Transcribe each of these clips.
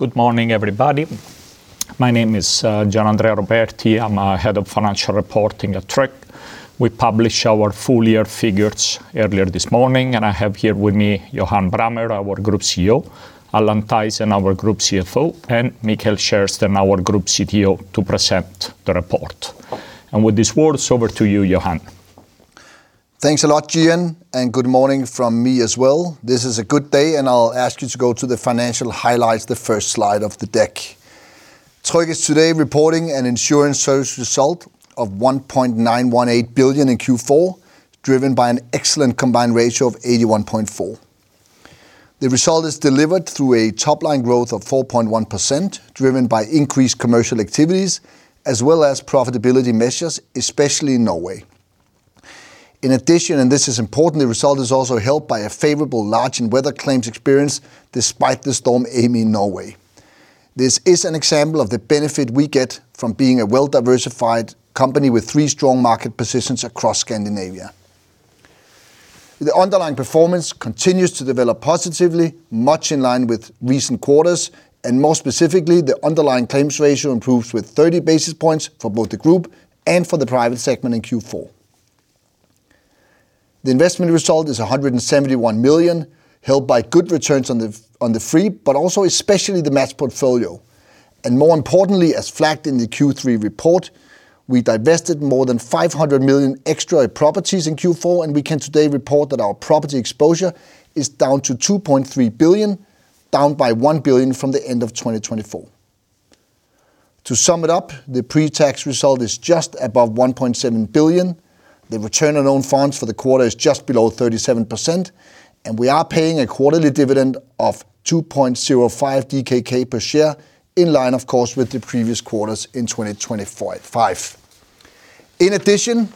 Good morning, everybody. My name is Gianandrea Roberti. I'm head of financial reporting at Tryg. We published our full year figures earlier this morning, and I have here with me Johan Brammer, our Group CEO, Allan Thaysen, our Group CFO, and Mikael Kärrsten, our Group CTO, to present the report, and with these words, over to you, Johan. Thanks a lot, Gian, and good morning from me as well. This is a good day, and I'll ask you to go to the financial highlights, the first slide of the deck. Tryg is today reporting an insurance service result of 1.918 billion in Q4, driven by an excellent combined ratio of 81.4%. The result is delivered through a top-line growth of 4.1%, driven by increased commercial activities, as well as profitability measures, especially in Norway. In addition, and this is important, the result is also helped by a favorable large and weather claims experience despite the storm hitting Norway. This is an example of the benefit we get from being a well-diversified company with three strong market positions across Scandinavia. The underlying performance continues to develop positively, much in line with recent quarters, and more specifically, the underlying claims ratio improves with 30 basis points for both the group and for the Private segment in Q4. The investment result is 171 million, helped by good returns on the free portfolio but also especially the matched portfolio, and more importantly, as flagged in the Q3 report, we divested more than 500 million in properties in Q4, and we can today report that our property exposure is down to 2.3 billion, down by 1 billion from the end of 2024. To sum it up, the pre-tax result is just above 1.7 billion. The return on own funds for the quarter is just below 37%, and we are paying a quarterly dividend of 2.05 DKK per share, in line, of course, with the previous quarters in 2025. In addition,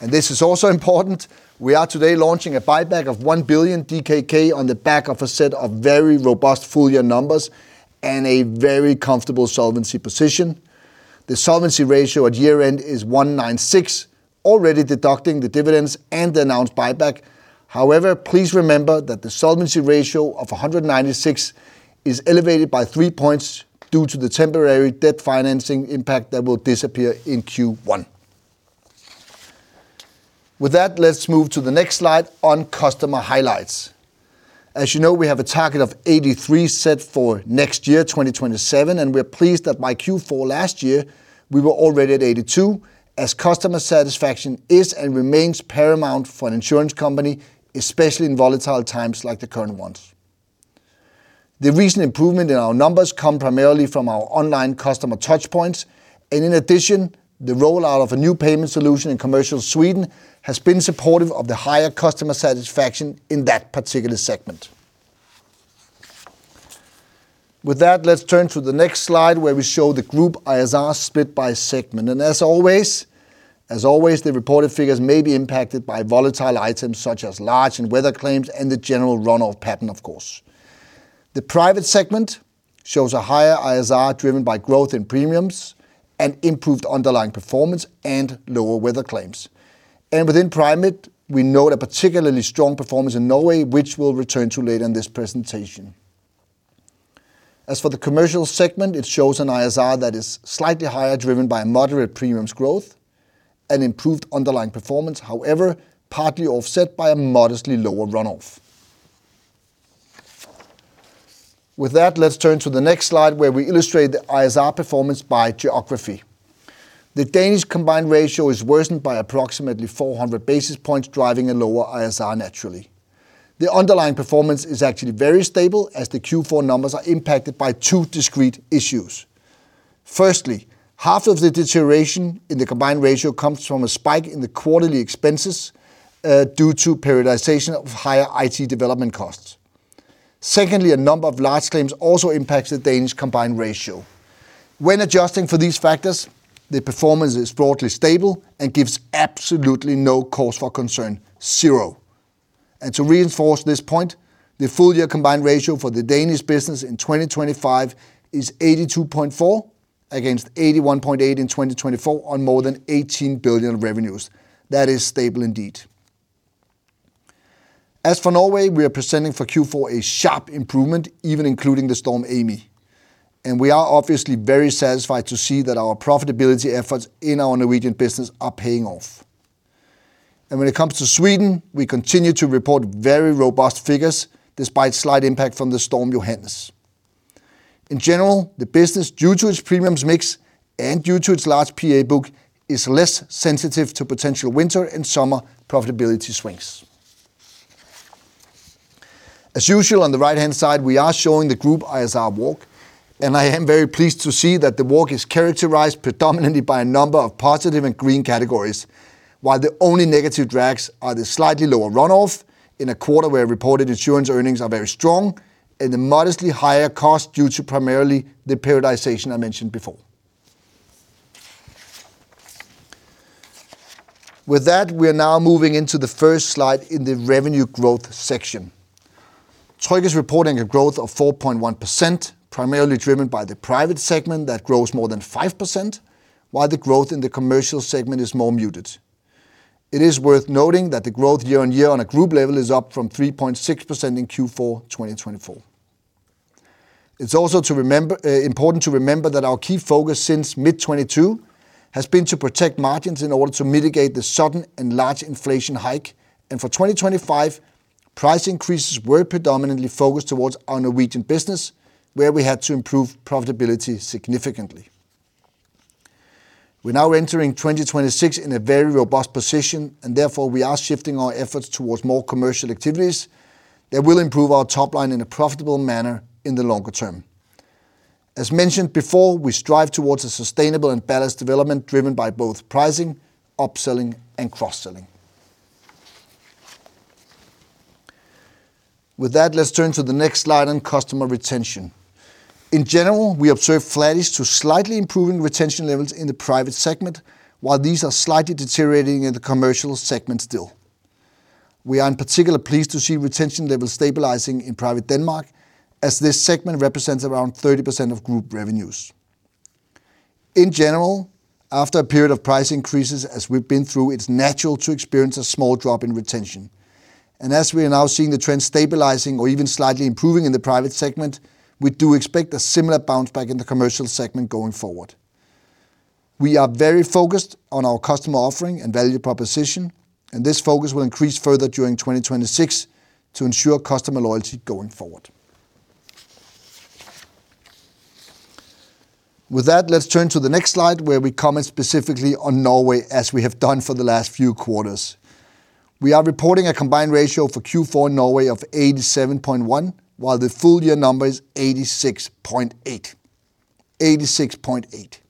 and this is also important, we are today launching a buyback of 1 billion DKK on the back of a set of very robust full year numbers and a very comfortable solvency position. The solvency ratio at year-end is 196, already deducting the dividends and the announced buyback. However, please remember that the solvency ratio of 196 is elevated by three points due to the temporary debt financing impact that will disappear in Q1. With that, let's move to the next slide on customer highlights. As you know, we have a target of 83 set for next year, 2027, and we're pleased that by Q4 last year, we were already at 82, as customer satisfaction is and remains paramount for an insurance company, especially in volatile times like the current ones. The recent improvement in our numbers comes primarily from our online customer touchpoints, and in addition, the rollout of a new payment solution in Commercial Sweden has been supportive of the higher customer satisfaction in that particular segment. With that, let's turn to the next slide, where we show the group ISR split by segment. And as always, as always, the reported figures may be impacted by volatile items such as large and weather claims and the general runoff pattern, of course. The Private segment shows a higher ISR driven by growth in premiums and improved underlying performance and lower weather claims. And within Private, we note a particularly strong performance in Norway, which we'll return to later in this presentation. As for the Commercial segment, it shows an ISR that is slightly higher, driven by moderate premiums growth and improved underlying performance, however, partly offset by a modestly lower runoff. With that, let's turn to the next slide, where we illustrate the ISR performance by geography. The Danish combined ratio is worsened by approximately 400 basis points, driving a lower ISR naturally. The underlying performance is actually very stable, as the Q4 numbers are impacted by two discrete issues. Firstly, half of the deterioration in the combined ratio comes from a spike in the quarterly expenses due to periodization of higher IT development costs. Secondly, a number of large claims also impacts the Danish combined ratio. When adjusting for these factors, the performance is broadly stable and gives absolutely no cause for concern, zero. To reinforce this point, the full year combined ratio for the Danish business in 2025 is 82.4 against 81.8 in 2024, on more than 18 billion revenues. That is stable indeed. As for Norway, we are presenting for Q4 a sharp improvement, even including the storm Amy. And we are obviously very satisfied to see that our profitability efforts in our Norwegian business are paying off. And when it comes to Sweden, we continue to report very robust figures despite slight impact from the storm Johannes. In general, the business, due to its premiums mix and due to its large PA book, is less sensitive to potential winter and summer profitability swings. As usual, on the right-hand side, we are showing the group ISR walk, and I am very pleased to see that the walk is characterized predominantly by a number of positive and green categories, while the only negative drags are the slightly lower runoff in a quarter where reported insurance earnings are very strong and the modestly higher cost due to primarily the periodization I mentioned before. With that, we are now moving into the first slide in the revenue growth section. Tryg is reporting a growth of 4.1%, primarily driven by the Private segment that grows more than 5%, while the growth in the Commercial segment is more muted. It is worth noting that the growth year-on-year on a group level is up from 3.6% in Q4 2024. It's also important to remember that our key focus since mid-2022 has been to protect margins in order to mitigate the sudden and large inflation hike, and for 2025, price increases were predominantly focused towards our Norwegian business, where we had to improve profitability significantly. We're now entering 2026 in a very robust position, and therefore we are shifting our efforts towards more commercial activities that will improve our top line in a profitable manner in the longer term. As mentioned before, we strive towards a sustainable and balanced development driven by both pricing, upselling, and cross-selling. With that, let's turn to the next slide on customer retention. In general, we observe flattish to slightly improving retention levels in the Private segment, while these are slightly deteriorating in the Commercial segment still. We are in particular pleased to see retention levels stabilizing in Private Denmark, as this segment represents around 30% of group revenues. In general, after a period of price increases as we've been through, it's natural to experience a small drop in retention, and as we are now seeing the trend stabilizing or even slightly improving in the Private segment, we do expect a similar bounce back in the Commercial segment going forward. We are very focused on our customer offering and value proposition, and this focus will increase further during 2026 to ensure customer loyalty going forward. With that, let's turn to the next slide, where we comment specifically on Norway, as we have done for the last few quarters. We are reporting a combined ratio for Q4 in Norway of 87.1, while the full year number is 86.8. It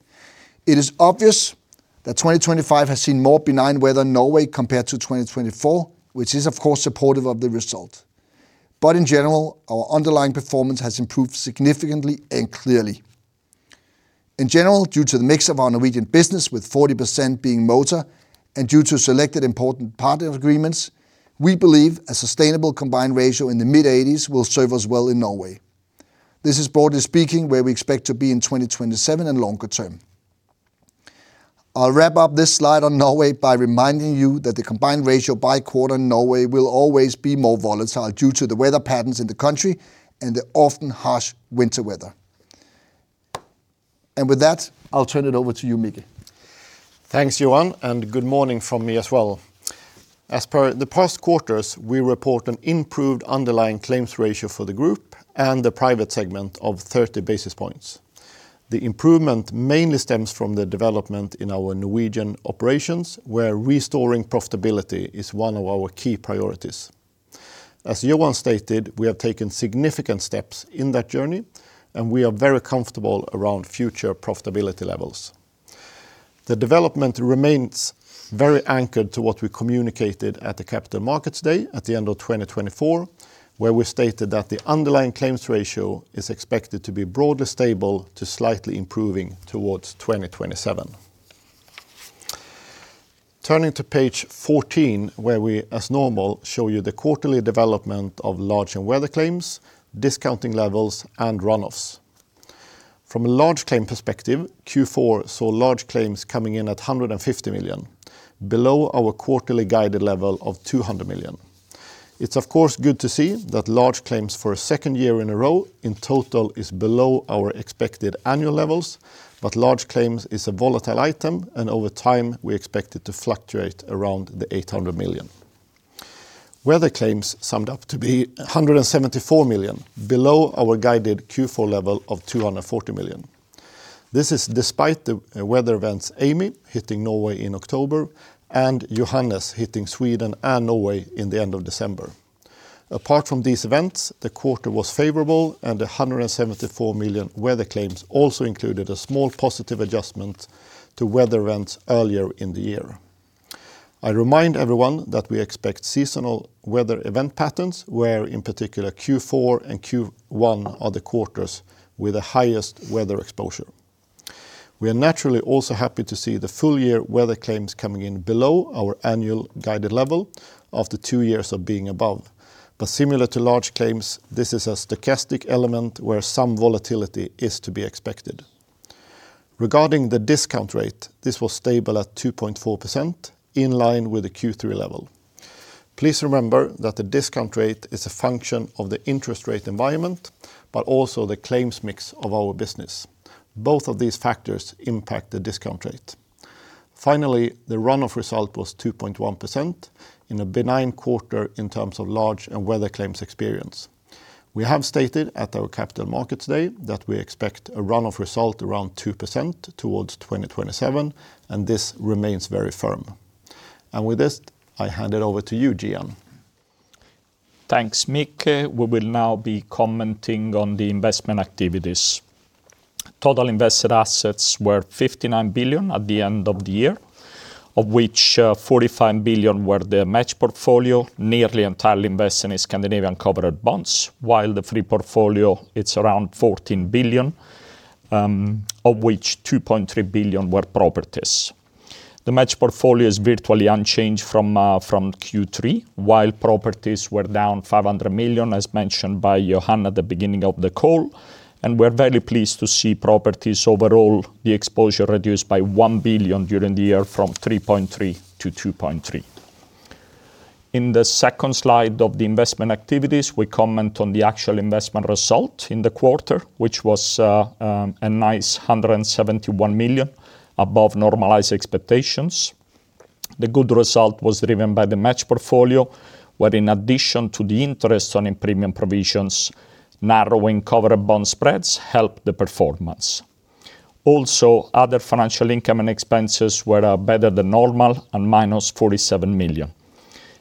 is obvious that 2025 has seen more benign weather in Norway compared to 2024, which is, of course, supportive of the result. But in general, our underlying performance has improved significantly and clearly. In general, due to the mix of our Norwegian business, with 40% being motor and due to selected important partner agreements, we believe a sustainable combined ratio in the mid-80s% will serve us well in Norway. This is broadly speaking where we expect to be in 2027 and longer term. I'll wrap up this slide on Norway by reminding you that the combined ratio by quarter in Norway will always be more volatile due to the weather patterns in the country and the often harsh winter weather, and with that, I'll turn it over to you, Mikael. Thanks, Johan, and good morning from me as well. As per the past quarters, we report an improved underlying claims ratio for the group and the Private segment of 30 basis points. The improvement mainly stems from the development in our Norwegian operations, where restoring profitability is one of our key priorities. As Johan stated, we have taken significant steps in that journey, and we are very comfortable around future profitability levels. The development remains very anchored to what we communicated at the Capital Markets Day at the end of 2024, where we stated that the underlying claims ratio is expected to be broadly stable to slightly improving towards 2027. Turning to page 14, where we, as normal, show you the quarterly development of large and weather claims, discounting levels, and runoffs. From a large claim perspective, Q4 saw large claims coming in at 150 million, below our quarterly guided level of 200 million. It's, of course, good to see that large claims for a second year in a row in total is below our expected annual levels, but large claims is a volatile item, and over time we expect it to fluctuate around the 800 million. Weather claims summed up to be 174 million, below our guided Q4 level of 240 million. This is despite the weather events Amy hitting Norway in October and Johannes hitting Sweden and Norway in the end of December. Apart from these events, the quarter was favorable, and the 174 million weather claims also included a small positive adjustment to weather events earlier in the year. I remind everyone that we expect seasonal weather event patterns, where in particular Q4 and Q1 are the quarters with the highest weather exposure. We are naturally also happy to see the full year weather claims coming in below our annual guided level after two years of being above, but similar to large claims, this is a stochastic element where some volatility is to be expected. Regarding the discount rate, this was stable at 2.4%, in line with the Q3 level. Please remember that the discount rate is a function of the interest rate environment, but also the claims mix of our business. Both of these factors impact the discount rate. Finally, the runoff result was 2.1% in a benign quarter in terms of large and weather claims experience. We have stated at our Capital Markets Day that we expect a runoff result around 2% towards 2027, and this remains very firm. And with this, I hand it over to you, Gianandrea. Thanks, Mikael. We will now be commenting on the investment activities. Total invested assets were 59 billion at the end of the year, of which 45 billion were the matched portfolio, nearly entirely invested in Scandinavian covered bonds, while the free portfolio, it's around 14 billion, of which 2.3 billion were properties. The matched portfolio is virtually unchanged from Q3, while properties were down 500 million, as mentioned by Johan at the beginning of the call, and we're very pleased to see properties overall, the exposure reduced by 1 billion during the year from 3.3 billion to 2.3 billion. In the second slide of the investment activities, we comment on the actual investment result in the quarter, which was a nice 171 million above normalized expectations. The good result was driven by the matched portfolio, where in addition to the interest on premium provisions, narrowing covered bond spreads helped the performance. Also, other financial income and expenses were better than normal and -47 million.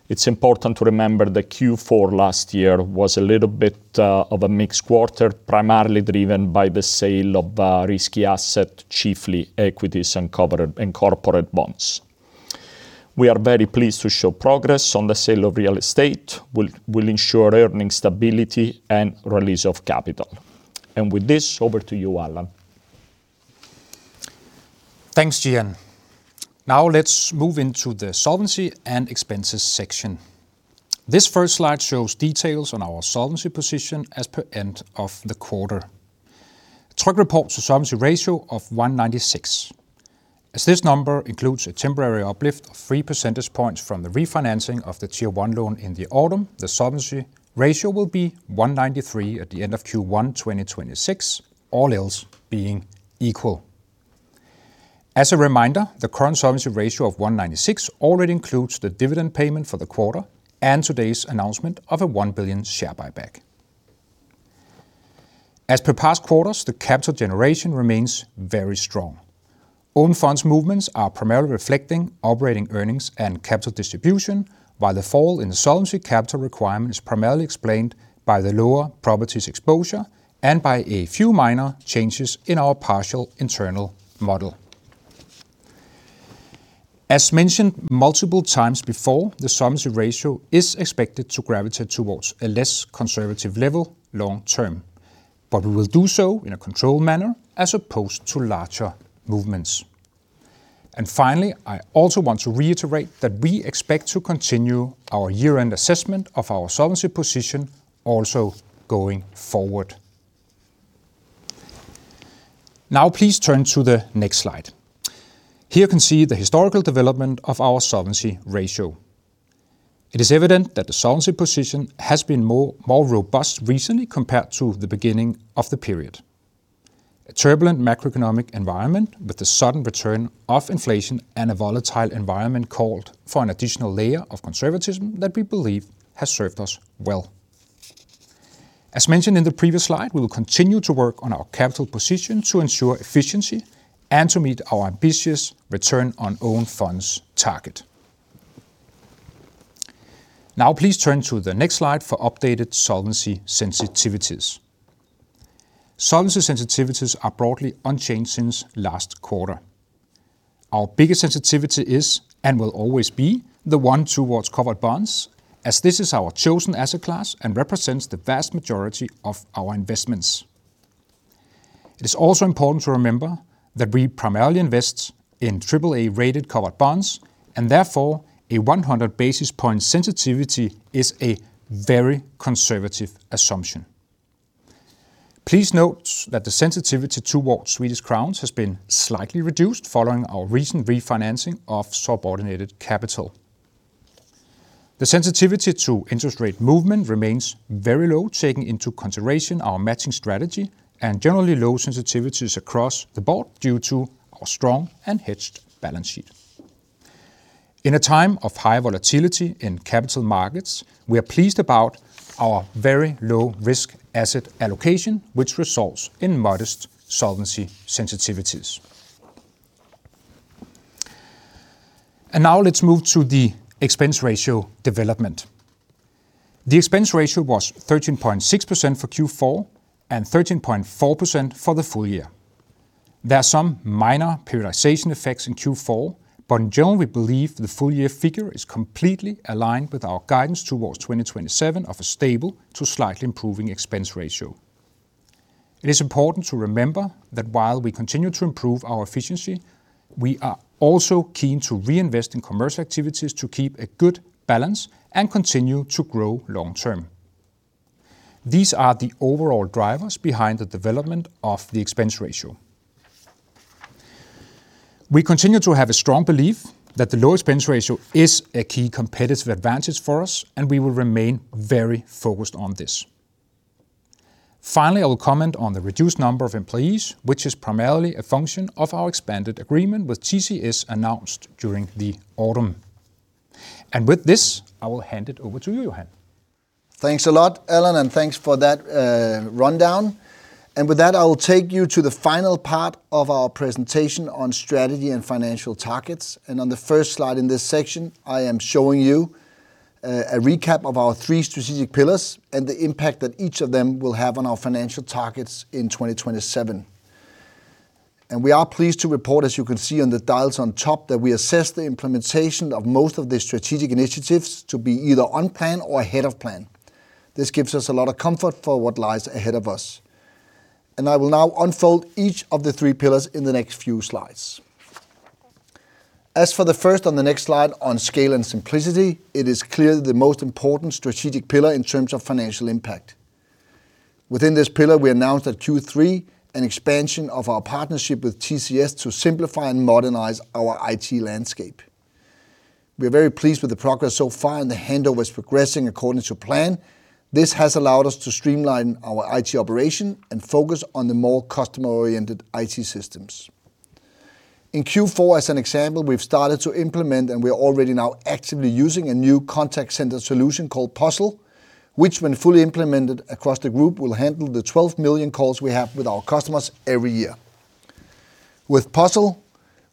It's important to remember that Q4 last year was a little bit of a mixed quarter, primarily driven by the sale of risky assets, chiefly equities and corporate bonds. We are very pleased to show progress on the sale of real estate. We'll ensure earnings stability and release of capital. And with this, over to you, Allan. Thanks, Gianandrea. Now let's move into the solvency and expenses section. This first slide shows details on our solvency position as per end of the quarter. Tryg reports a solvency ratio of 196%. As this number includes a temporary uplift of 3 percentage points from the refinancing of the Tier 1 loan in the autumn, the solvency ratio will be 193% at the end of Q1 2026, all else being equal. As a reminder, the current solvency ratio of 196% already includes the dividend payment for the quarter and today's announcement of a 1 billion share buyback. As per past quarters, the capital generation remains very strong. Own funds movements are primarily reflecting operating earnings and capital distribution, while the fall in the solvency capital requirement is primarily explained by the lower properties exposure and by a few minor changes in our partial internal model. As mentioned multiple times before, the solvency ratio is expected to gravitate towards a less conservative level long term, but we will do so in a controlled manner as opposed to larger movements, and finally, I also want to reiterate that we expect to continue our year-end assessment of our solvency position also going forward. Now please turn to the next slide. Here you can see the historical development of our solvency ratio. It is evident that the solvency position has been more robust recently compared to the beginning of the period. A turbulent macroeconomic environment with the sudden return of inflation and a volatile environment called for an additional layer of conservatism that we believe has served us well. As mentioned in the previous slide, we will continue to work on our capital position to ensure efficiency and to meet our ambitious return on own funds target. Now please turn to the next slide for updated solvency sensitivities. Solvency sensitivities are broadly unchanged since last quarter. Our biggest sensitivity is, and will always be, the one towards covered bonds, as this is our chosen asset class and represents the vast majority of our investments. It is also important to remember that we primarily invest in AAA-rated covered bonds, and therefore a 100 basis point sensitivity is a very conservative assumption. Please note that the sensitivity towards Swedish crowns has been slightly reduced following our recent refinancing of subordinated capital. The sensitivity to interest rate movement remains very low, taking into consideration our matching strategy and generally low sensitivities across the board due to our strong and hedged balance sheet. In a time of high volatility in capital markets, we are pleased about our very low risk asset allocation, which results in modest solvency sensitivities. And now let's move to the expense ratio development. The expense ratio was 13.6% for Q4 and 13.4% for the full year. There are some minor periodization effects in Q4, but in general, we believe the full year figure is completely aligned with our guidance towards 2027 of a stable to slightly improving expense ratio. It is important to remember that while we continue to improve our efficiency, we are also keen to reinvest in commercial activities to keep a good balance and continue to grow long term. These are the overall drivers behind the development of the expense ratio. We continue to have a strong belief that the low expense ratio is a key competitive advantage for us, and we will remain very focused on this. Finally, I will comment on the reduced number of employees, which is primarily a function of our expanded agreement with TCS announced during the autumn, and with this, I will hand it over to you, Johan. Thanks a lot, Allan, and thanks for that rundown. With that, I will take you to the final part of our presentation on strategy and financial targets. On the first slide in this section, I am showing you a recap of our three strategic pillars and the impact that each of them will have on our financial targets in 2027. We are pleased to report, as you can see on the dials on top, that we assess the implementation of most of the strategic initiatives to be either unplanned or ahead of plan. This gives us a lot of comfort for what lies ahead of us. I will now unfold each of the three pillars in the next few slides. As for the first on the next slide on scale and simplicity, it is clearly the most important strategic pillar in terms of financial impact. Within this pillar, we announced at Q3 an expansion of our partnership with TCS to simplify and modernize our IT landscape. We are very pleased with the progress so far, and the handover is progressing according to plan. This has allowed us to streamline our IT operation and focus on the more customer-oriented IT systems. In Q4, as an example, we've started to implement, and we're already now actively using a new contact center solution called Puzzel, which, when fully implemented across the group, will handle the 12 million calls we have with our customers every year. With Puzzel,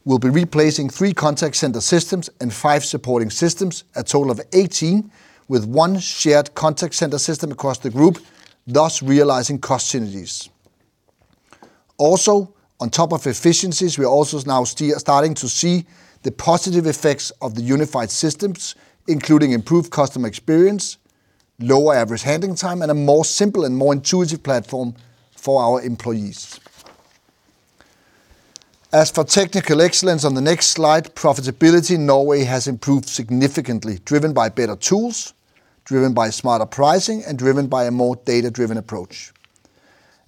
we'll be replacing three contact center systems and five supporting systems, a total of 18, with one shared contact center system across the group, thus realizing cost synergies. Also, on top of efficiencies, we're also now starting to see the positive effects of the unified systems, including improved customer experience, lower average handling time, and a more simple and more intuitive platform for our employees. As for technical excellence on the next slide, profitability in Norway has improved significantly, driven by better tools, driven by smarter pricing, and driven by a more data-driven approach.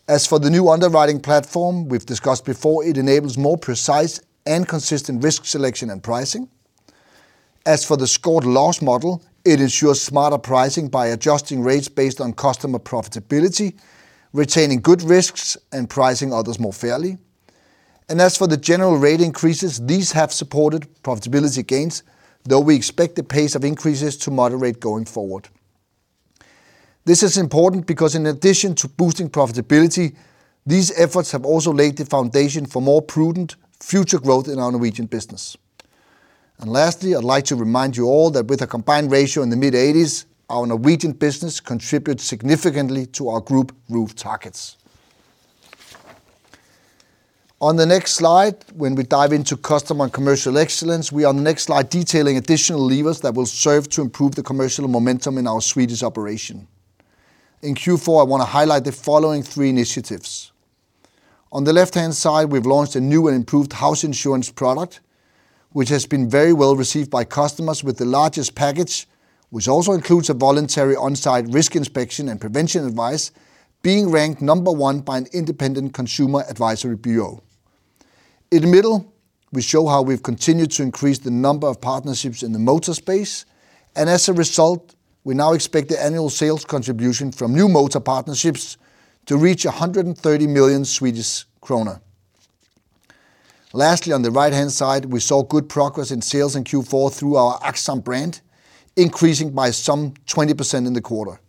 As for the new underwriting platform we've discussed before, it enables more precise and consistent risk selection and pricing. As for the scored loss model, it ensures smarter pricing by adjusting rates based on customer profitability, retaining good risks, and pricing others more fairly. And as for the general rate increases, these have supported profitability gains, though we expect the pace of increases to moderate going forward. This is important because, in addition to boosting profitability, these efforts have also laid the foundation for more prudent future growth in our Norwegian business, and lastly, I'd like to remind you all that with a combined ratio in the mid-80s, our Norwegian business contributes significantly to our group ROE targets. On the next slide, when we dive into customer and commercial excellence, we are on the next slide detailing additional levers that will serve to improve the commercial momentum in our Swedish operation. In Q4, I want to highlight the following three initiatives. On the left-hand side, we've launched a new and improved house insurance product, which has been very well received by customers with the largest package, which also includes a voluntary on-site risk inspection and prevention advice being ranked number one by an independent consumer advisory bureau. In the middle, we show how we've continued to increase the number of partnerships in the motor space, and as a result, we now expect the annual sales contribution from new motor partnerships to reach 130 million Swedish kronor. Lastly, on the right-hand side, we saw good progress in sales in Q4 through our Aktsam brand, increasing by some 20% in the quarter.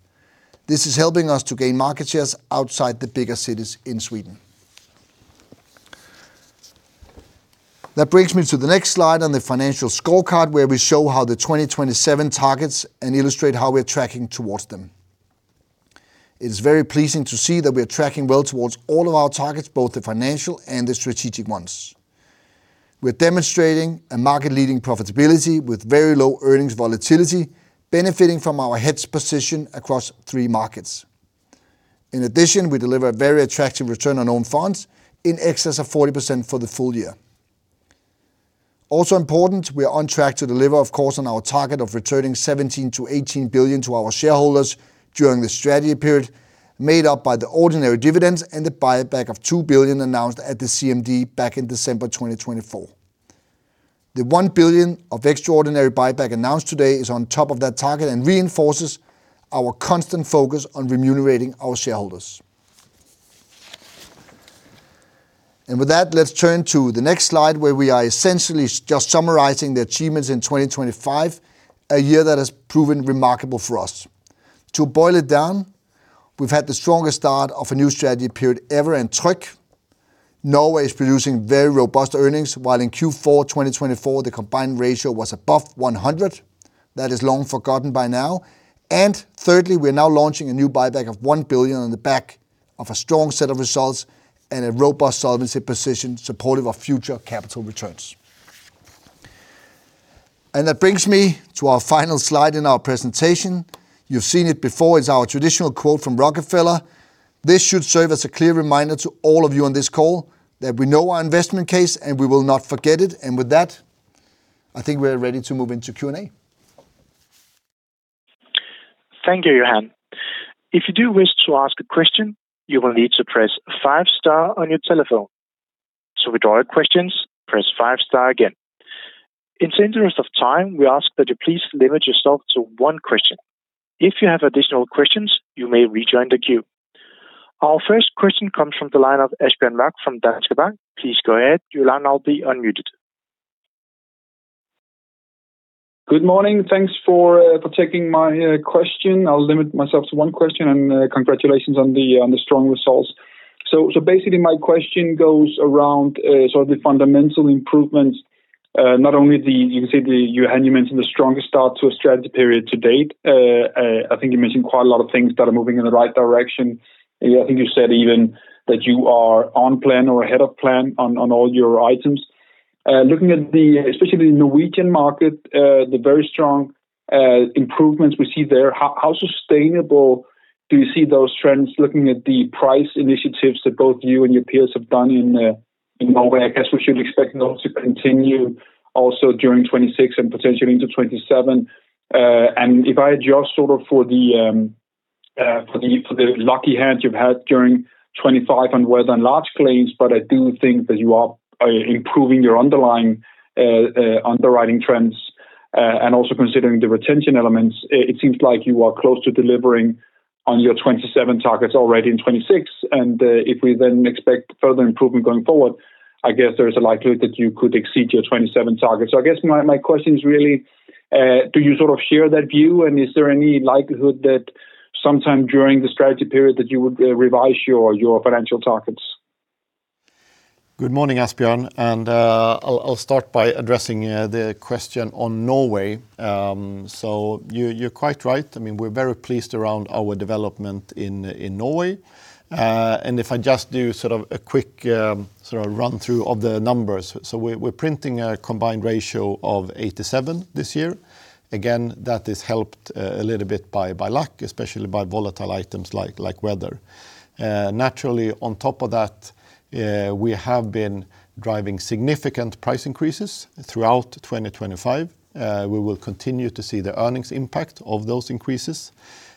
This is helping us to gain market shares outside the bigger cities in Sweden. That brings me to the next slide on the financial scorecard, where we show how the 2027 targets and illustrate how we're tracking towards them. It is very pleasing to see that we are tracking well towards all of our targets, both the financial and the strategic ones. We're demonstrating a market-leading profitability with very low earnings volatility, benefiting from our hedged position across three markets. In addition, we deliver a very attractive return on own funds in excess of 40% for the full year. Also important, we are on track to deliver, of course, on our target of returning 17-18 billion to our shareholders during the strategy period, made up by the ordinary dividends and the buyback of 2 billion announced at the CMD back in December 2024. The 1 billion of extraordinary buyback announced today is on top of that target and reinforces our constant focus on remunerating our shareholders. And with that, let's turn to the next slide, where we are essentially just summarizing the achievements in 2025, a year that has proven remarkable for us. To boil it down, we've had the strongest start of a new strategy period ever in Tryg. Norway is producing very robust earnings, while in Q4 2024, the combined ratio was above 100. That is long forgotten by now. And thirdly, we are now launching a new buyback of one billion on the back of a strong set of results and a robust solvency position supportive of future capital returns. And that brings me to our final slide in our presentation. You've seen it before. It's our traditional quote from Rockefeller. This should serve as a clear reminder to all of you on this call that we know our investment case and we will not forget it. And with that, I think we're ready to move into Q&A. Thank you, Johan. If you do wish to ask a question, you will need to press five-star on your telephone. So with all your questions, press five-star again. In the interest of time, we ask that you please limit yourself to one question. If you have additional questions, you may rejoin the queue. Our first question comes from the line of Asbjørn Mørk from Danske Bank. Please go ahead, Johan, I'll be unmuted. Good morning. Thanks for taking my question. I'll limit myself to one question, and congratulations on the strong results. So basically, my question goes around sort of the fundamental improvements, not only the, you can see the, Johan you mentioned the strong start to a strategy period to date. I think you mentioned quite a lot of things that are moving in the right direction. I think you said even that you are on plan or ahead of plan on all your items. Looking at the, especially the Norwegian market, the very strong improvements we see there, how sustainable do you see those trends looking at the price initiatives that both you and your peers have done in Norway? I guess we should expect them to continue also during 2026 and potentially into 2027. And if I adjust sort of for the lucky hand you've had during 2025 on weather and large claims, but I do think that you are improving your underlying underwriting trends and also considering the retention elements, it seems like you are close to delivering on your 2027 targets already in 2026. And if we then expect further improvement going forward, I guess there is a likelihood that you could exceed your 2027 targets. So I guess my question is really, do you sort of share that view, and is there any likelihood that sometime during the strategy period that you would revise your financial targets? Good morning, Asbjørn, and I'll start by addressing the question on Norway, so you're quite right. I mean, we're very pleased around our development in Norway, and if I just do sort of a quick sort of run-through of the numbers, so we're printing a combined ratio of 87% this year. Again, that is helped a little bit by luck, especially by volatile items like weather. Naturally, on top of that, we have been driving significant price increases throughout 2025. We will continue to see the earnings impact of those increases.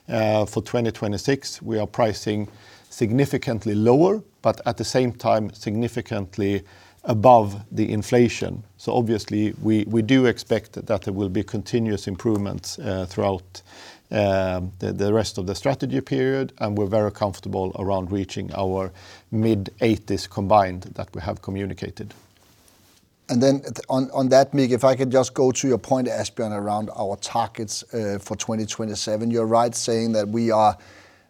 For 2026, we are pricing significantly lower, but at the same time, significantly above the inflation, so obviously, we do expect that there will be continuous improvements throughout the rest of the strategy period, and we're very comfortable around reaching our mid-80s combined that we have communicated. And then on that, Mikael, if I could just go to your point, Asbjørn, around our targets for 2027. You're right saying that we are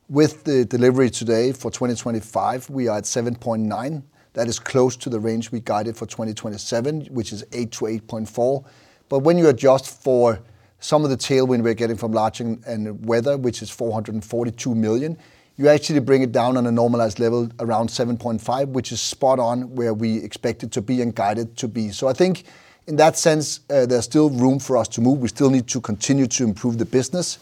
with the delivery today for 2025; we are at 7.9%. That is close to the range we guided for 2027, which is 8%-8.4%. But when you adjust for some of the tailwind we're getting from lodging and weather, which is 442 million, you actually bring it down on a normalized level around 7.5%, which is spot on where we expect it to be and guided to be. So I think in that sense, there's still room for us to move. We still need to continue to improve the business.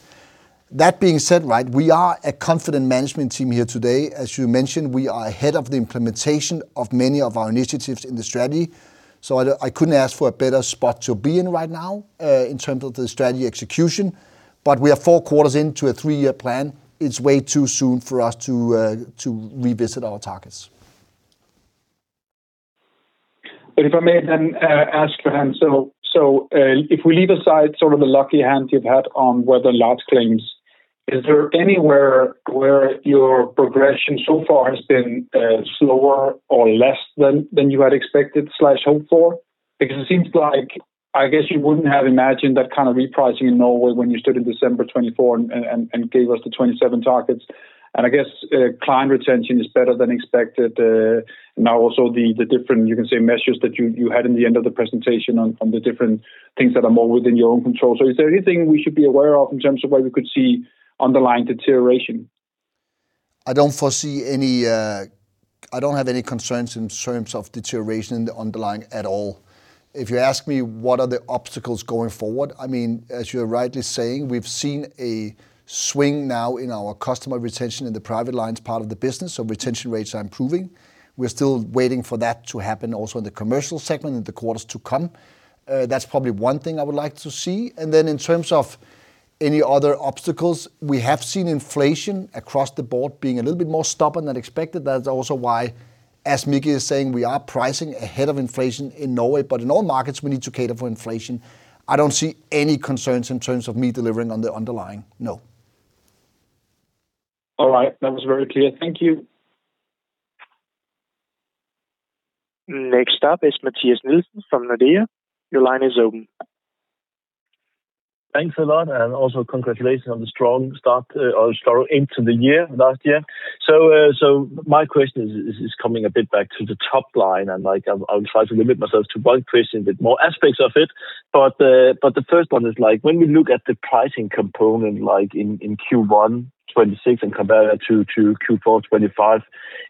That being said, right, we are a confident management team here today. As you mentioned, we are ahead of the implementation of many of our initiatives in the strategy. So I couldn't ask for a better spot to be in right now in terms of the strategy execution, but we are four quarters into a three-year plan. It's way too soon for us to revisit our targets. But if I may then ask, Johan, so if we leave aside sort of the lucky hand you've had on weather, large claims, is there anywhere where your progression so far has been slower or less than you had expected/hoped for? Because it seems like, I guess you wouldn't have imagined that kind of repricing in Norway when you stood in December 2024 and gave us the 2027 targets. And I guess client retention is better than expected. Now also the different, you can say, measures that you had in the end of the presentation on the different things that are more within your own control. So is there anything we should be aware of in terms of where we could see underlying deterioration? I don't foresee any. I don't have any concerns in terms of deterioration in the underlying at all. If you ask me what are the obstacles going forward, I mean, as you're rightly saying, we've seen a swing now in our customer retention in the private lines part of the business. So retention rates are improving. We're still waiting for that to happen also in the Commercial segment in the quarters to come. That's probably one thing I would like to see, and then in terms of any other obstacles, we have seen inflation across the board being a little bit more stubborn than expected. That's also why, as Mikael is saying, we are pricing ahead of inflation in Norway, but in all markets, we need to cater for inflation. I don't see any concerns in terms of me delivering on the underlying. No. All right. That was very clear. Thank you. Next up is Mathias Nielsen from Nordea. Your line is open. Thanks a lot, and also congratulations on the strong start into the year last year, so my question is coming a bit back to the top line, and I'll try to limit myself to one question, a bit more aspects of it. But the first one is like when we look at the pricing component like in Q1 2026 and compare that to Q4 2025,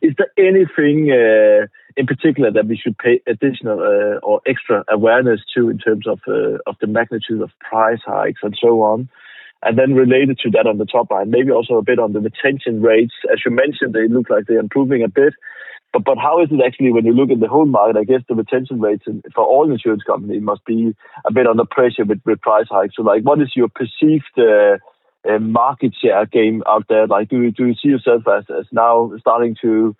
is there anything in particular that we should pay additional or extra awareness to in terms of the magnitude of price hikes and so on? And then related to that on the top line, maybe also a bit on the retention rates. As you mentioned, they look like they're improving a bit. But how is it actually when you look at the whole market, I guess the retention rates for all insurance companies must be a bit under pressure with price hikes. So what is your perceived market share gain out there? Do you see yourself as now starting to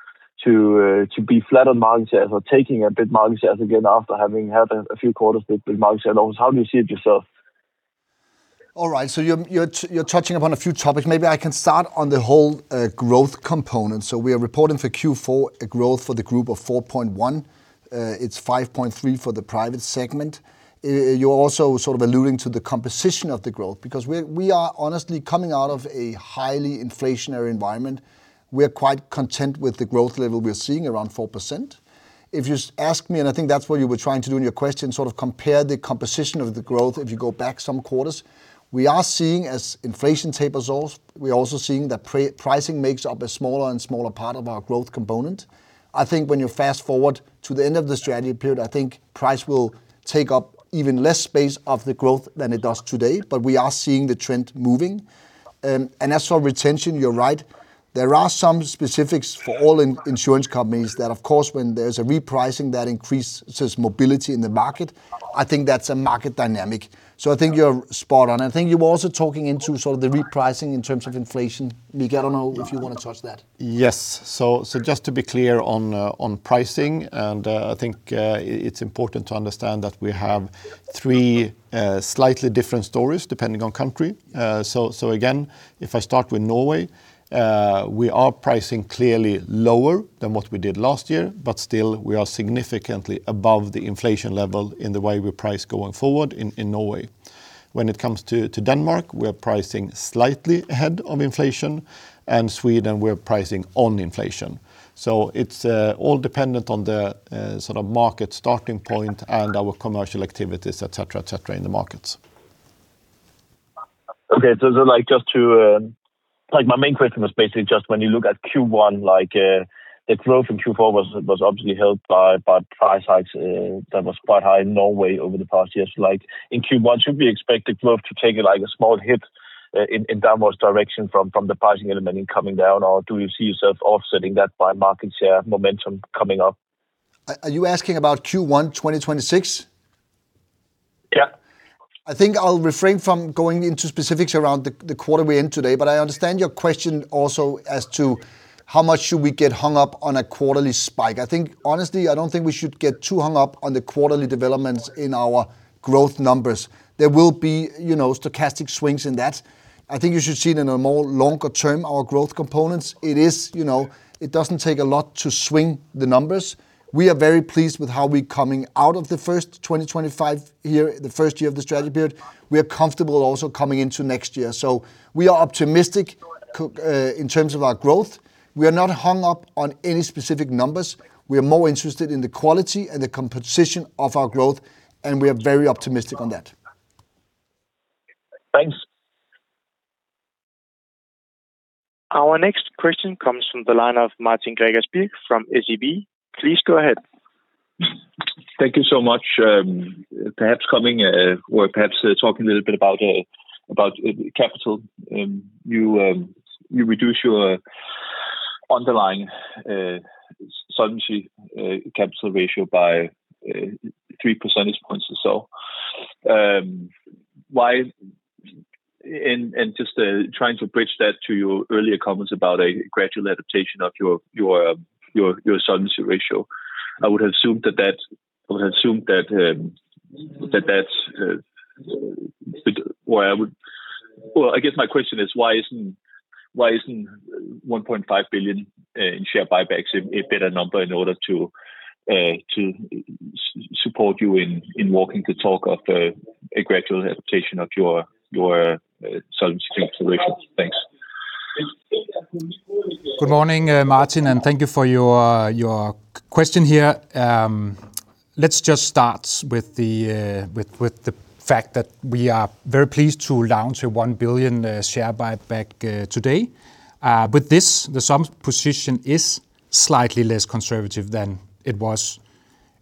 be flat on market shares or taking a bit market shares again after having had a few quarters with market share loss? How do you see it yourself? All right. So you're touching upon a few topics. Maybe I can start on the whole growth component. So we are reporting for Q4 a growth for the group of 4.1%. It's 5.3% for the Private segment. You're also sort of alluding to the composition of the growth because we are honestly coming out of a highly inflationary environment. We're quite content with the growth level we're seeing around 4%. If you ask me, and I think that's what you were trying to do in your question, sort of compare the composition of the growth if you go back some quarters, we are seeing as inflation tapers off, we are also seeing that pricing makes up a smaller and smaller part of our growth component. I think when you fast forward to the end of the strategy period, I think price will take up even less space of the growth than it does today, but we are seeing the trend moving, and as for retention, you're right. There are some specifics for all insurance companies that, of course, when there's a repricing that increases mobility in the market, I think that's a market dynamic. So I think you're spot on, and I think you were also talking into sort of the repricing in terms of inflation. Mikael, I don't know if you want to touch that. Yes. So just to be clear on pricing, and I think it's important to understand that we have three slightly different stories depending on country. So again, if I start with Norway, we are pricing clearly lower than what we did last year, but still we are significantly above the inflation level in the way we price going forward in Norway. When it comes to Denmark, we are pricing slightly ahead of inflation, and Sweden, we're pricing on inflation. So it's all dependent on the sort of market starting point and our commercial activities, etc., etc. in the markets. Okay. So just to, like my main question was basically just when you look at Q1, like the growth in Q4 was obviously held by price hikes that were quite high in Norway over the past years. In Q1, should we expect the growth to take a small hit in downwards direction from the pricing element in coming down, or do you see yourself offsetting that by market share momentum coming up? Are you asking about Q1 2026? Yeah. I think I'll refrain from going into specifics around the quarter we're in today, but I understand your question also as to how much should we get hung up on a quarterly spike. I think honestly, I don't think we should get too hung up on the quarterly developments in our growth numbers. There will be stochastic swings in that. I think you should see it in a more longer term, our growth components. It doesn't take a lot to swing the numbers. We are very pleased with how we're coming out of the first 2025 year, the first year of the strategy period. We are comfortable also coming into next year. So we are optimistic in terms of our growth. We are not hung up on any specific numbers. We are more interested in the quality and the composition of our growth, and we are very optimistic on that. Thanks. Our next question comes from the line of Martin Parkhøi from SEB. Please go ahead. Thank you so much. Perhaps coming or perhaps talking a little bit about capital, you reduce your underlying solvency capital ratio by 3 percentage points or so. Why? And just trying to bridge that to your earlier comments about a gradual adaptation of your solvency ratio. I would have assumed that. I guess my question is, why isn't 1.5 billion in share buybacks a better number in order to support you in walking the talk of a gradual adaptation of your solvency ratio? Thanks. Good morning, Martin, and thank you for your question here. Let's just start with the fact that we are very pleased to launch a 1 billion share buyback today. With this, the solvency position is slightly less conservative than it was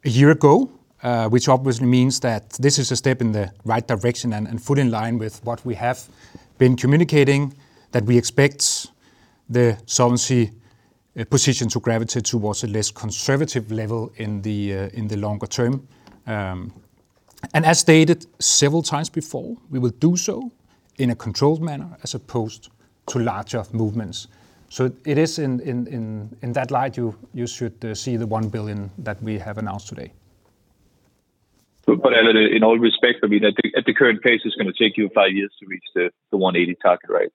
a year ago, which obviously means that this is a step in the right direction and fully in line with what we have been communicating, that we expect the solvency position to gravitate towards a less conservative level in the longer term. And as stated several times before, we will do so in a controlled manner as opposed to larger movements. So it is in that light you should see the 1 billion that we have announced today. But in all respects, I mean, at the current pace, it's going to take you five years to reach the 180 target,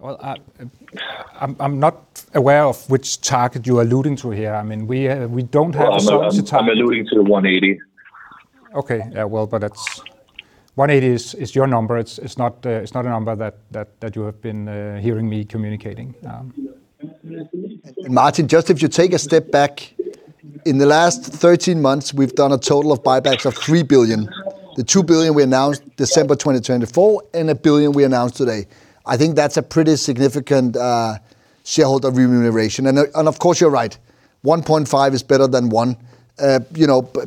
right? I'm not aware of which target you are alluding to here. I mean, we don't have a solvency target. I'm alluding to the 180. Okay. Yeah, well, but 180 is your number. It's not a number that you have been hearing me communicating. Martin, just if you take a step back, in the last 13 months, we've done a total of buybacks of 3 billion. The 2 billion we announced December 2024 and a billion we announced today. I think that's a pretty significant shareholder remuneration. And of course, you're right. 1.5 is better than 1.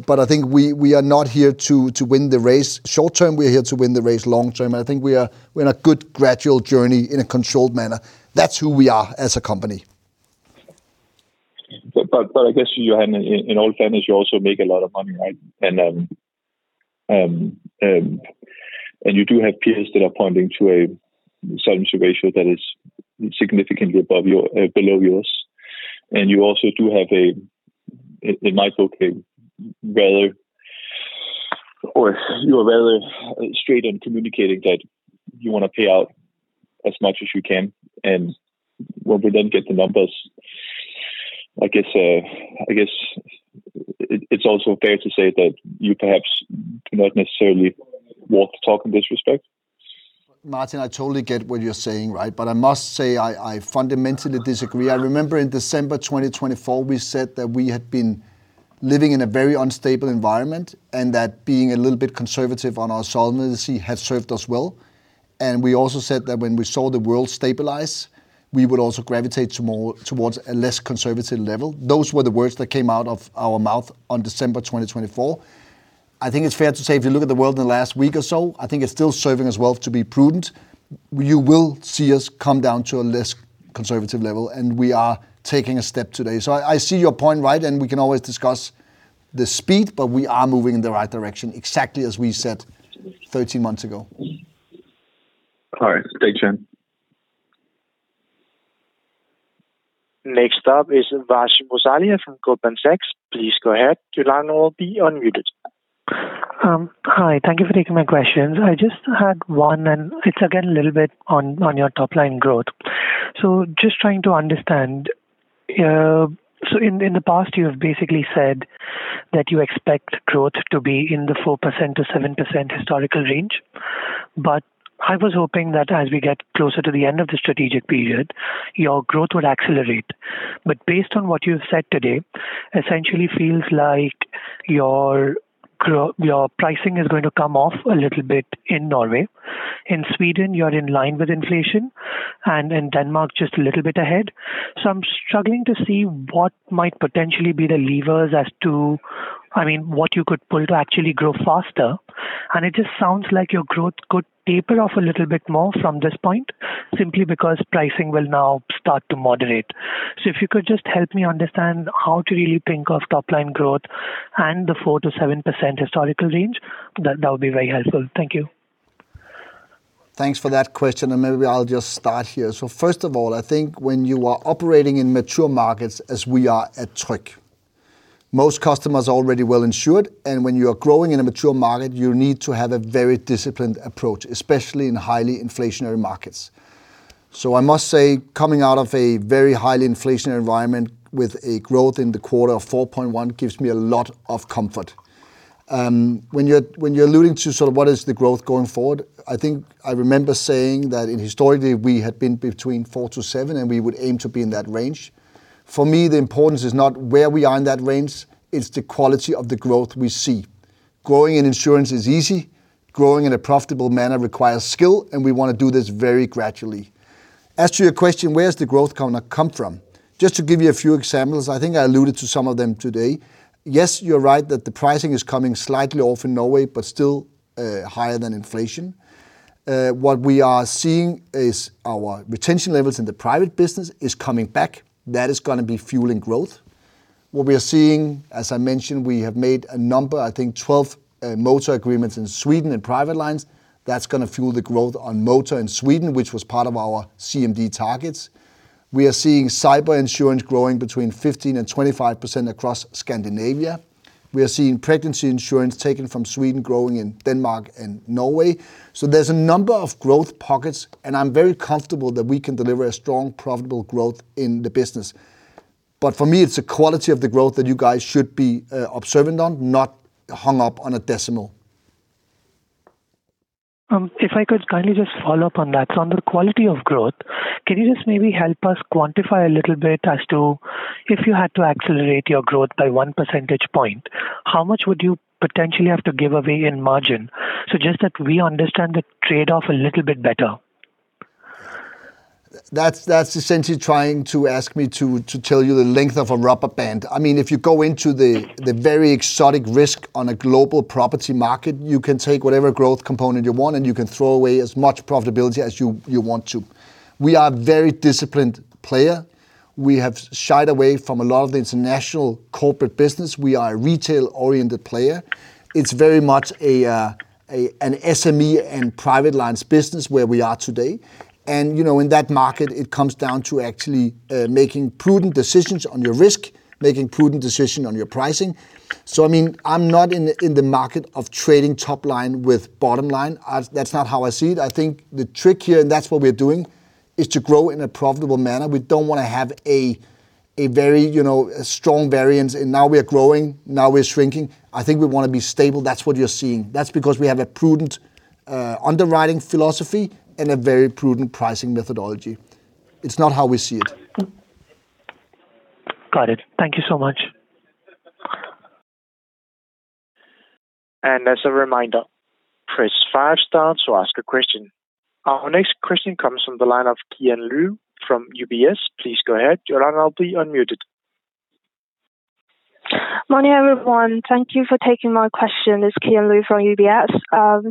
But I think we are not here to win the race short term. We're here to win the race long term. I think we're in a good gradual journey in a controlled manner. That's who we are as a company. But I guess in all fairness, you also make a lot of money, right? And you do have peers that are pointing to a solvency ratio that is significantly below yours. And you also do have a macro rather, or you are rather straight and communicating that you want to pay out as much as you can. And when we then get the numbers, I guess it's also fair to say that you perhaps do not necessarily walk the talk in this respect. Martin, I totally get what you're saying, right? But I must say I fundamentally disagree. I remember in December 2024, we said that we had been living in a very unstable environment and that being a little bit conservative on our solvency had served us well. And we also said that when we saw the world stabilize, we would also gravitate towards a less conservative level. Those were the words that came out of our mouth on December 2024. I think it's fair to say if you look at the world in the last week or so, I think it's still serving us well to be prudent. You will see us come down to a less conservative level, and we are taking a step today. So I see your point, right? We can always discuss the speed, but we are moving in the right direction, exactly as we said 13 months ago. All right. Stay tuned. Next up is Vrish Musalia from Goldman Sachs. Please go ahead. Your line will be unmuted. Hi. Thank you for taking my questions. I just had one, and it's again a little bit on your top line growth. So just trying to understand, so in the past, you have basically said that you expect growth to be in the 4%-7% historical range. But I was hoping that as we get closer to the end of the strategic period, your growth would accelerate. But based on what you've said today, essentially feels like your pricing is going to come off a little bit in Norway. In Sweden, you're in line with inflation, and in Denmark, just a little bit ahead. So I'm struggling to see what might potentially be the levers as to, I mean, what you could pull to actually grow faster. And it just sounds like your growth could taper off a little bit more from this point, simply because pricing will now start to moderate. So if you could just help me understand how to really think of top line growth and the 4%-7% historical range, that would be very helpful. Thank you. Thanks for that question. And maybe I'll just start here. So first of all, I think when you are operating in mature markets as we are at Tryg, most customers are already well insured. And when you are growing in a mature market, you need to have a very disciplined approach, especially in highly inflationary markets. So I must say, coming out of a very highly inflationary environment with a growth in the quarter of 4.1% gives me a lot of comfort. When you're alluding to sort of what is the growth going forward, I think I remember saying that historically we had been between 4%-7%, and we would aim to be in that range. For me, the importance is not where we are in that range, it's the quality of the growth we see. Growing in insurance is easy. Growing in a profitable manner requires skill, and we want to do this very gradually. As to your question, where has the growth come from? Just to give you a few examples, I think I alluded to some of them today. Yes, you're right that the pricing is coming slightly off in Norway, but still higher than inflation. What we are seeing is our retention levels in the private business is coming back. That is going to be fueling growth. What we are seeing, as I mentioned, we have made a number, I think 12 motor agreements in Sweden and private lines. That's going to fuel the growth on motor in Sweden, which was part of our CMD targets. We are seeing cyber insurance growing between 15% and 25% across Scandinavia. We are seeing pet insurance taken from Sweden growing in Denmark and Norway. So there's a number of growth pockets, and I'm very comfortable that we can deliver a strong, profitable growth in the business. But for me, it's the quality of the growth that you guys should be observant on, not hung up on a decimal. If I could kindly just follow up on that. So on the quality of growth, can you just maybe help us quantify a little bit as to if you had to accelerate your growth by 1 percentage point, how much would you potentially have to give away in margin? So just that we understand the trade-off a little bit better. That's essentially trying to ask me to tell you the length of a rubber band. I mean, if you go into the very exotic risk on a global property market, you can take whatever growth component you want, and you can throw away as much profitability as you want to. We are a very disciplined player. We have shied away from a lot of the international corporate business. We are a retail-oriented player. It's very much an SME and private lines business where we are today, and in that market, it comes down to actually making prudent decisions on your risk, making prudent decisions on your pricing, so I mean, I'm not in the market of trading top line with bottom line. That's not how I see it. I think the trick here, and that's what we're doing, is to grow in a profitable manner. We don't want to have a very strong variance. And now we are growing. Now we are shrinking. I think we want to be stable. That's what you're seeing. That's because we have a prudent underwriting philosophy and a very prudent pricing methodology. It's not how we see it. Got it. Thank you so much. As a reminder, press five stars to ask a question. Our next question comes from the line of Tian Lu from UBS. Please go ahead. Your line will be unmuted. Morning, everyone. Thank you for taking my question. It's Kian Lu from UBS.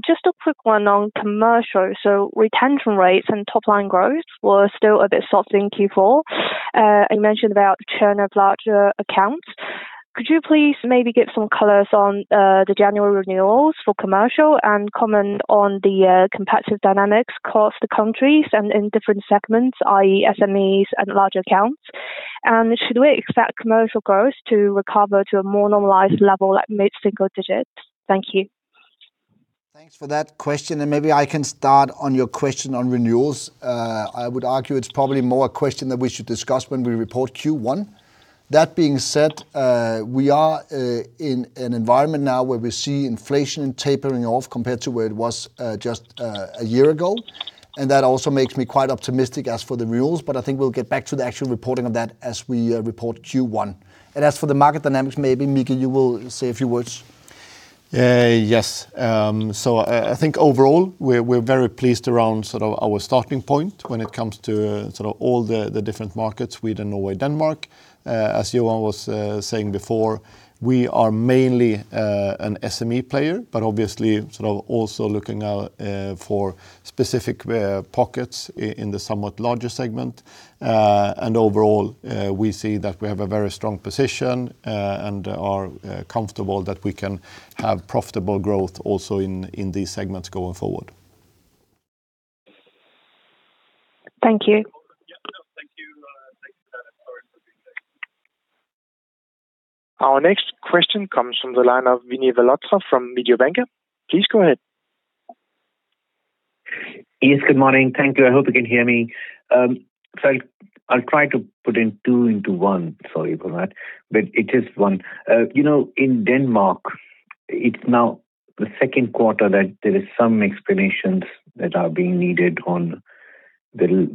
Just a quick one on commercial. So retention rates and top line growth were still a bit soft in Q4. You mentioned about the churn of larger accounts. Could you please maybe get some colors on the January renewals for commercial and comment on the competitive dynamics across the countries and in different segments, i.e., SMEs and larger accounts? And should we expect commercial growth to recover to a more normalized level at mid-single digits? Thank you. Thanks for that question, and maybe I can start on your question on renewals. I would argue it's probably more a question that we should discuss when we report Q1. That being said, we are in an environment now where we see inflation and tapering off compared to where it was just a year ago, and that also makes me quite optimistic as for the renewals. But I think we'll get back to the actual reporting of that as we report Q1, and as for the market dynamics, maybe Mikael, you will say a few words. Yes. So I think overall, we're very pleased around sort of our starting point when it comes to sort of all the different markets within Norway and Denmark. As Johan was saying before, we are mainly an SME player, but obviously sort of also looking out for specific pockets in the somewhat larger segment. And overall, we see that we have a very strong position and are comfortable that we can have profitable growth also in these segments going forward. Thank you. Our next question comes from the line of Vinit Malhotra from Mediobanca. Please go ahead. Yes, good morning. Thank you. I hope you can hear me. I'll try to put it two into one. Sorry for that. But it is one. In Denmark, it's now the second quarter that there are some explanations that are being needed on the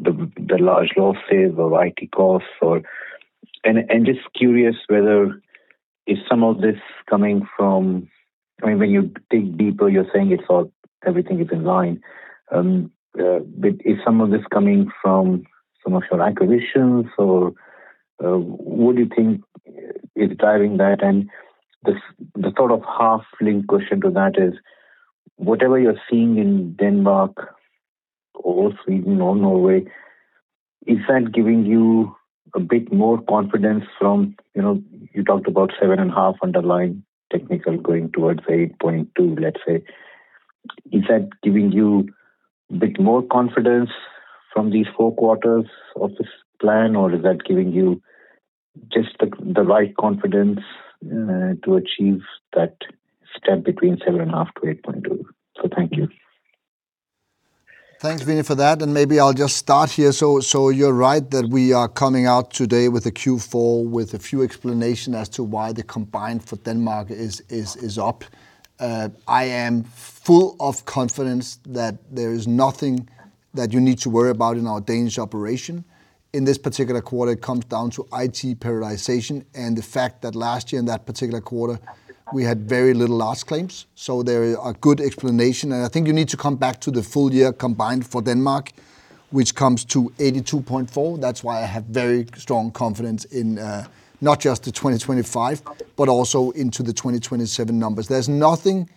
large losses or IT costs, and just curious whether some of this is coming from, I mean, when you dig deeper, you're saying everything is in line, but is some of this coming from some of your acquisitions? Or what do you think is driving that, and the sort of half-linked question to that is, whatever you're seeing in Denmark or Sweden or Norway, is that giving you a bit more confidence from you talked about 7.5 underlying technical going towards 8.2, let's say. Is that giving you a bit more confidence from these four quarters of this plan? Or is that giving you just the right confidence to achieve that step between 7.5 to 8.2? So thank you. Thanks, Vinit, for that. And maybe I'll just start here. So you're right that we are coming out today with a Q4 with a few explanations as to why the combined for Denmark is up. I am full of confidence that there is nothing that you need to worry about in our Danish operation. In this particular quarter, it comes down to IT prioritization and the fact that last year in that particular quarter, we had very little large claims. So there are good explanations. And I think you need to come back to the full year combined for Denmark, which comes to 82.4%. That's why I have very strong confidence in not just the 2025, but also into the 2027 numbers. There's nothing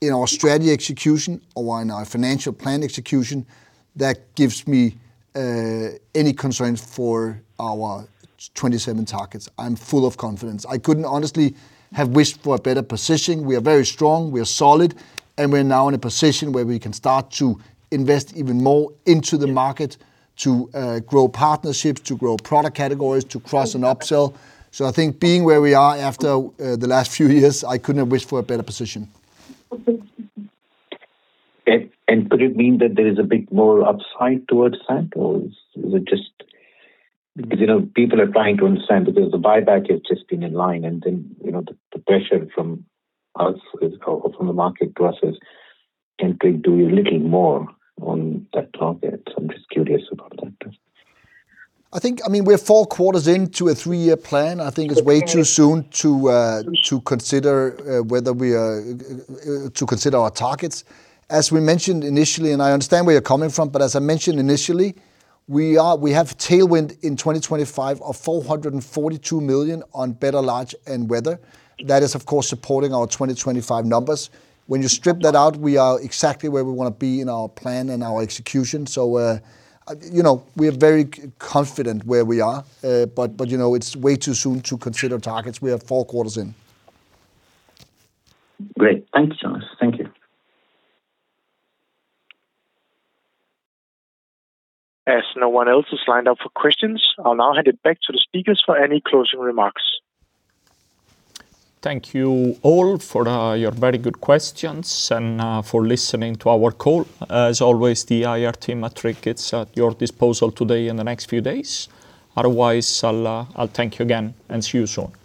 in our strategy execution or in our financial plan execution that gives me any concerns for our 27 targets. I'm full of confidence. I couldn't honestly have wished for a better position. We are very strong. We are solid. And we're now in a position where we can start to invest even more into the market to grow partnerships, to grow product categories, to cross and upsell. So I think being where we are after the last few years, I couldn't have wished for a better position. Could it mean that there is a bit more upside towards that? Or is it just because people are trying to understand that there's a buyback, it's just been in line, and then the pressure from the market to us is, can we do a little more on that target? I'm just curious about that. I think, I mean, we're four quarters into a three-year plan. I think it's way too soon to consider whether we are to consider our targets. As we mentioned initially, and I understand where you're coming from, but as I mentioned initially, we have tailwind in 2025 of 442 million on better large and weather. That is, of course, supporting our 2025 numbers. When you strip that out, we are exactly where we want to be in our plan and our execution. So we are very confident where we are. But it's way too soon to consider targets. We are four quarters in. Great. Thanks, Johan. Thank you. As no one else has lined up for questions, I'll now hand it back to the speakers for any closing remarks. Thank you all for your very good questions and for listening to our call. As always, the IR team matrix is at your disposal today and the next few days. Otherwise, I'll thank you again and see you soon.